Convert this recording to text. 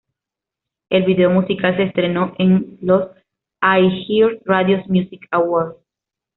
El video musical se estrenó en los iHeartRadio Music Awards.